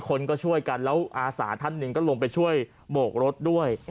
คนก็ช่วยกันแล้วอาสาท่านหนึ่งก็ลงไปช่วยโบกรถด้วย